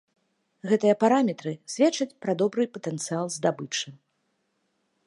Гэтыя параметры сведчаць пра добры патэнцыял здабычы.